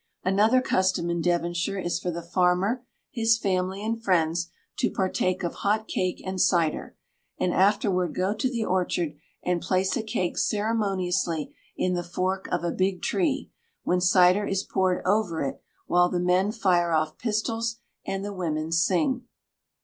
Another custom in Devonshire is for the farmer, his family, and friends, to partake of hot cake and cider, and afterward go to the orchard and place a cake ceremoniously in the fork of a big tree, when cider is poured over it while the men fire off pistols and the women sing.